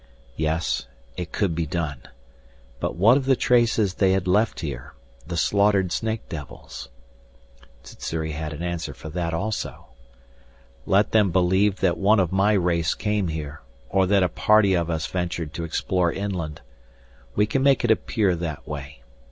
Yes, it could be done. But what of the traces they had left here the slaughtered snake devils ? Sssuri had an answer for that also. "Let them believe that one of my race came here, or that a party of us ventured to explore inland. We can make it appear that way.